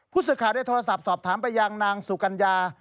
ผู้สื่อข่าวได้โทรศัพท์สอบถามไปยังนางสุกัญญา